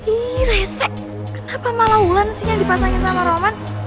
ih resep kenapa malah wulan sih yang dipasangin sama roman